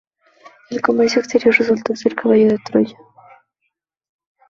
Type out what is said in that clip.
El comercio exterior resultó ser un caballo de Troya.